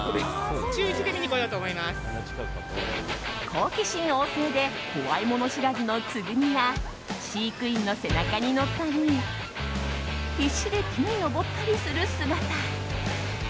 好奇心旺盛で怖いもの知らずのつぐみが飼育員の背中に乗ったり必死で木に登ったりする姿。